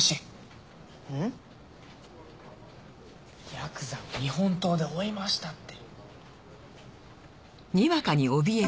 ヤクザを日本刀で追い回したって。